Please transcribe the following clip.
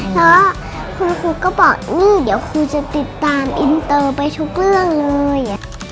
แล้วคุณครูก็บอกนี่เดี๋ยวครูจะติดตามอินเตอร์ไปทุกเรื่องเลย